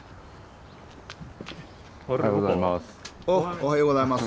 おはようございます。